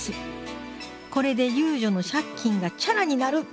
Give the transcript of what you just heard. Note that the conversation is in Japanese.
これで遊女の借金がチャラになる！